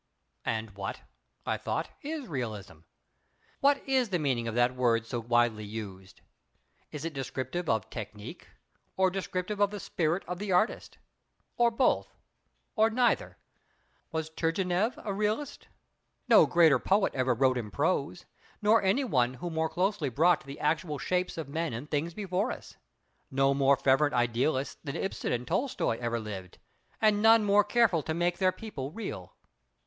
And what—I thought—is Realism? What is the meaning of that word so wildly used? Is it descriptive of technique, or descriptive of the spirit of the artist; or both, or neither? Was Turgenev a realist? No greater poet ever wrote in prose, nor any one who more closely brought the actual shapes of men and things before us. No more fervent idealists than Ibsen and Tolstoy ever lived; and none more careful to make their people real.